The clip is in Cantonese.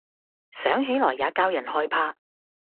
想起來也教人害怕。